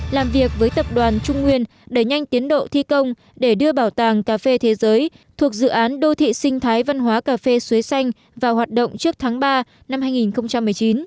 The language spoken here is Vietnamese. làm việc với tập đoàn trung nguyên đẩy nhanh tiến độ thi công để đưa bảo tàng cà phê thế giới thuộc dự án đô thị sinh thái văn hóa cà phê xuế xanh vào hoạt động trước tháng ba năm hai nghìn một mươi chín